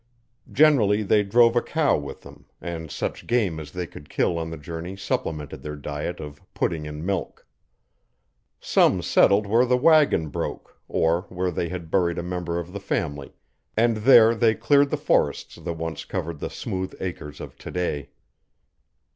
Generally they drove a cow with them, and such game as they could kill on the journey supplemented their diet of 'pudding and milk'. Some settled where the wagon broke or where they had buried a member of the family, and there they cleared the forests that once covered the smooth acres of today.